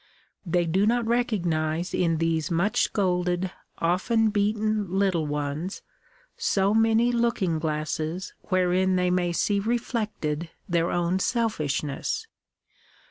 They do not recognise in these much scolded, often beaten little ones so many looking glasses wherein they may see reflected their own selfish ness.